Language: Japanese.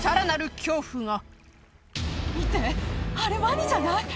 見てあれワニじゃない？